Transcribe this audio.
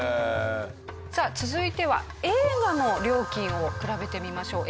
さあ続いては映画の料金を比べてみましょう。